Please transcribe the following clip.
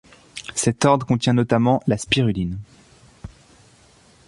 Cet ordre contient notamment la spiruline.